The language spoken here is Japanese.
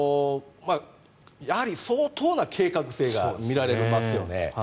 やはり相当な計画性が見られますよね。